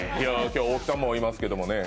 今日は大木さんもいますけどね。